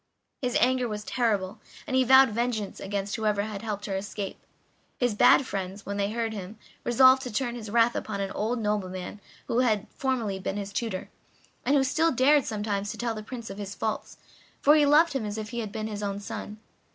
His anger was terrible, and he vowed vengeance against whoever had helped her to escape. His bad friends, when they heard him, resolved to turn his wrath upon an old nobleman who had formerly been his tutor; and who still dared sometimes to tell the Prince of his faults, for he loved him as if he had been his own son.